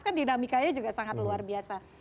kan dinamikanya juga sangat luar biasa